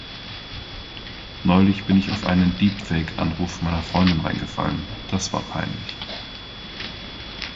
Neulich bin ich auf einen Deepfake-Anruf meiner Freundin reingefallen, das war peinlich!